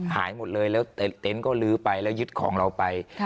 หายหมดเลยแล้วเต็นต์ก็ลื้อไปแล้วยึดของเราไป